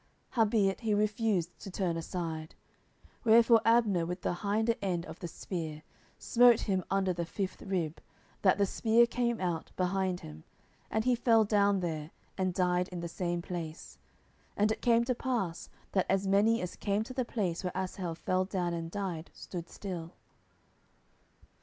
10:002:023 Howbeit he refused to turn aside: wherefore Abner with the hinder end of the spear smote him under the fifth rib, that the spear came out behind him; and he fell down there, and died in the same place: and it came to pass, that as many as came to the place where Asahel fell down and died stood still.